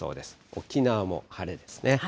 沖縄も晴れですね。